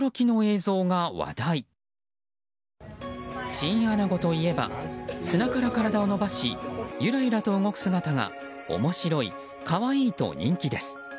チンアナゴといえば砂から体を伸ばしゆらゆらと動く姿が面白い、可愛いと人気です。